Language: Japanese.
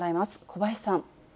小林さん。